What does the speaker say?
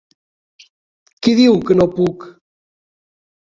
Qui diu que no puc?